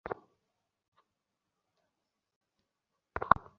হাসিখুশি মুখ করো, যাও এখন!